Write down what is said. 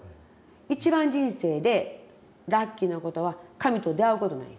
一番人生でラッキーなことは神と出会うことなんや。